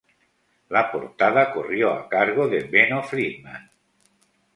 La portada corrió a cargo de Benno Friedman.